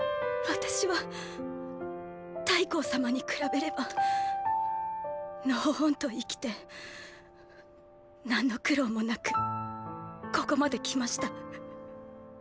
私は太后様に比べればのほほんと生きて何の苦労もなくここまで来ました。